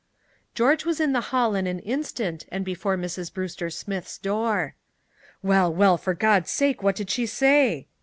George was in the hall in an instant and before Mrs. Brewster Smith's door. "Well, well, for God's sake, what did she say!"